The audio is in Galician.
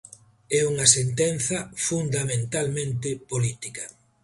É unha sentenza fundamentalmente política.